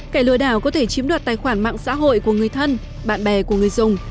cải lừa đảo có thể chiếm đoạt tài khoản mạng xã hội của người thân bạn bè của người dùng